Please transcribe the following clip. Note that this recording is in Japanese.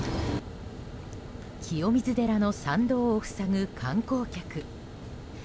清水寺の参道を塞ぐ観光客。